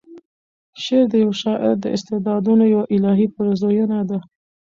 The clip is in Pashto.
شعر د یوه شاعر د استعدادونو یوه الهې پیرزویَنه ده.